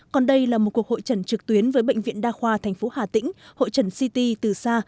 còn đây là một cuộc hội trần trực tuyến với bệnh viện đa khoa tp hà tĩnh hội trần ct từ xa